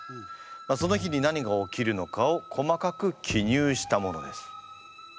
その日に何が起きるのかを細かく記入したものです。